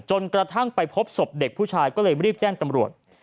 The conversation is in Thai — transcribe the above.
กระทั่งไปพบศพเด็กผู้ชายก็เลยรีบแจ้งตำรวจ